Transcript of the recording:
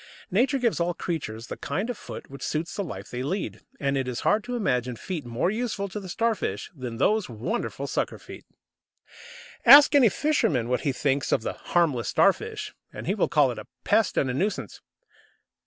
Nature gives all creatures the kind of foot which suits the life they lead. And it is hard to imagine feet more useful to the Starfish than those wonderful sucker feet! Ask any fisherman what he thinks of the "harmless" Starfish, and he will call it a pest and a nuisance.